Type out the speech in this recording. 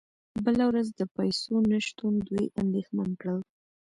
بله ورځ د پیسو نشتون دوی اندیښمن کړل